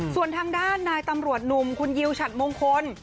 ส่วนทางด้านนายตำรวจหนุ่มคุณยิวฉัดมงคล